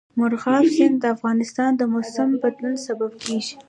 مورغاب سیند د افغانستان د موسم د بدلون سبب کېږي.